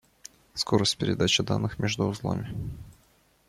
Скорость передачи данных между узлами